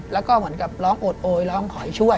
แล้วก็เหมือนกับร้องโอดโอยร้องขอให้ช่วย